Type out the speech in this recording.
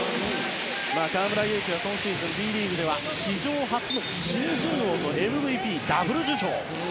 河村勇輝は今シーズンのＢリーグでは史上初の新人王とＭＶＰのダブル受賞。